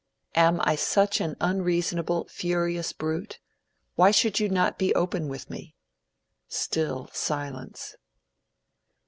Am I such an unreasonable, furious brute? Why should you not be open with me?" Still silence.